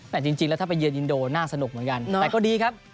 แต่จริงแล้วถ้าไปเยินโดน่าสนุกเหมือนกันแต่ก็ดีครับ